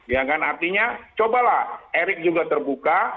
ya kan artinya cobalah erik juga terbuka